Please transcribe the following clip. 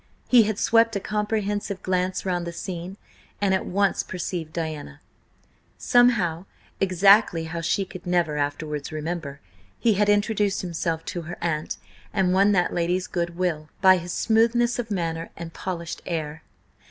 He had swept a comprehensive glance round the scene and at once perceived Diana. Somehow, exactly how she could never afterwards remember, he had introduced himself to her aunt and won that lady's good will by his smoothness of manner and polished air.